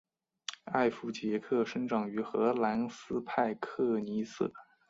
艾佛杰克生长于荷兰斯派克尼瑟。